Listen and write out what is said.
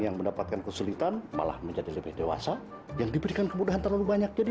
yang mendapatkan kesulitan malah menjadi lebih dewasa yang diberikan kemudahan terlalu banyak jadi